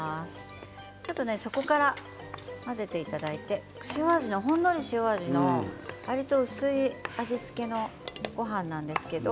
底から混ぜていただいてほんのり塩味のわりと薄い味付けのごはんなんですけれど。